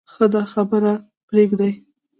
ښه ده خبره پرېږدې.